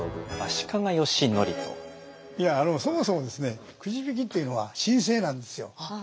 いやあのそもそもですねくじ引きっていうのは神聖なんですよ。